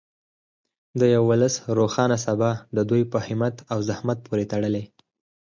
د یو ولس روښانه سبا د دوی په همت او زحمت پورې تړلې.